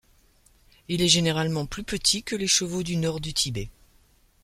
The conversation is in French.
Il est généralement plus petit que les chevaux du Nord du Tibet.